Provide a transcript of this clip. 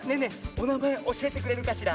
おなまえおしえてくれるかしら？